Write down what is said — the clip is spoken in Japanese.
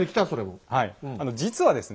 実はですね